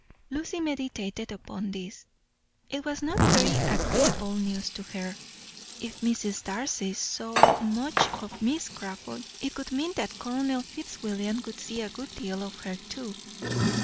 Lucy meditated upon this: it was not very agreeable news to her; if Mrs. Darcy saw much of Miss Crawford, it would mean that Colonel Fitzwilliam would see a good deal of her, too.